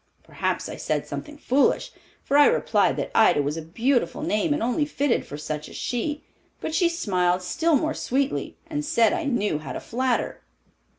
Perhaps I said something foolish, for I replied that Ida was a beautiful name and only fitted for such as she; but she smiled still more sweetly and said I knew how to flatter."